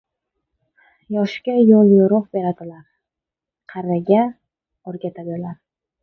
• Yoshga yo‘l-yo‘riq beradilar, qariga o‘rgatadilar.